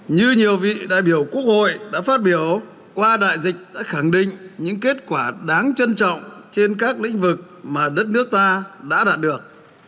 như nhiều vị đại biểu quốc hội đã phát biểu qua đại dịch đã khẳng định những kết quả đáng trân trọng trên các lĩnh vực mà đất nước ta đã đạt được